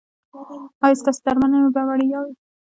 ایا ستاسو درملنه به وړیا وي؟